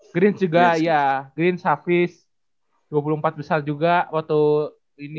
grinch juga ya grinch hafiz dua puluh empat besar juga waktu ini